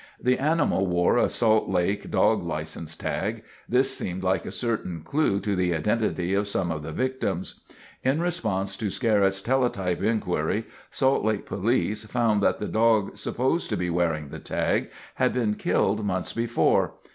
The animal wore a Salt Lake dog license tag. This seemed like a certain clue to the identity of some of the victims. In response to Skerritt's teletype inquiry, Salt Lake police found that the dog supposed to be wearing the tag had been killed months before.